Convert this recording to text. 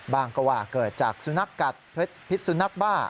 บ้างก็ว่าเกิดจากสุนัขกัดพิษสุนัขบ้า